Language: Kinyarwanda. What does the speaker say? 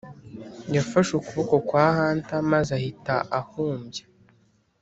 yafashe ukuboko kwa hunter maze ahita ahumbya